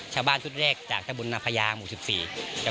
ชาวบ้านสุดแรกจากทะวิญญาณทะเบินน้ำพยาบริชาหมู่๑๔